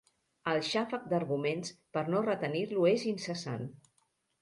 El xàfec d'arguments per no retenir-lo és incessant.